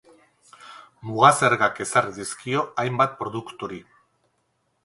Muga-zergak ezarri dizkio hainbat produkturi.